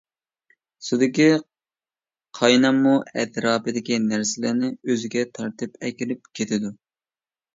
سۇدىكى قايناممۇ ئەتراپىدىكى نەرسىلەرنى ئۆزىگە تارتىپ ئەكىرىپ كېتىدۇ.